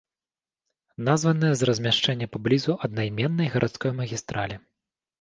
Названая з-за размяшчэння паблізу аднайменнай гарадской магістралі.